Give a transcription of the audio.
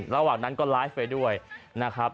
ระหว่างนั้นก็ร้ายให้ด้วยนะครับ